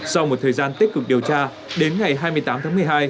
sau một thời gian tích cực điều tra đến ngày hai mươi tám tháng một mươi hai